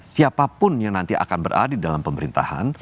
siapapun yang nanti akan berada dalam pemerintahan